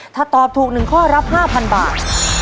ถ้าตอบถูก๑ข้อรับ๕๐๐บาท